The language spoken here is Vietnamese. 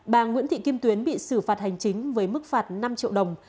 bà nguyễn thị kim tuyến bị xử phạt hành chính với mức phạt năm triệu đồng